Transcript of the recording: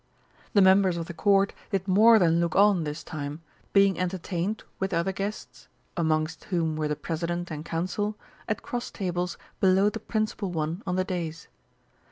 The members of the Court did more than look on this time, being entertained, with other guests, amongst whom were the President and Council, at cross tables below the principal one on the dais.